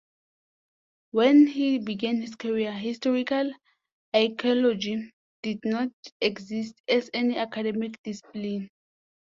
When he began his career, historical archaeology did not exist as an academic discipline.